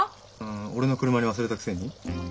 俺の車に忘れたくせに？